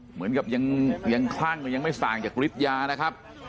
เหมือนกับยังคลั่งยังไม่ต่างจากฤทธิยานะครับ